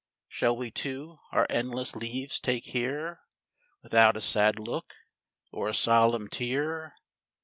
shall we two our endless leaves take here Without a sad look, or a solemn tear?